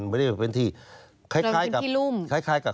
ไม่ได้เป็นพื้นที่คล้ายกับ